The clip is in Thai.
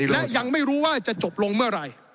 และยังไม่รู้ว่าจะจบลงเมื่อไหร่